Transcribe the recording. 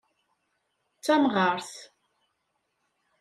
D tamɣart.